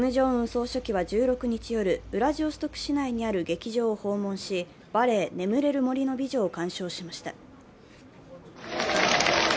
総書記は１６日夜ウラジオストク市内にある劇場を訪問し、バレエ「眠れる森の美女」を鑑賞しました。